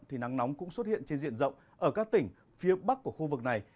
thì nắng nóng cũng xuất hiện trên diện rộng ở các tỉnh phía bắc của khu vực này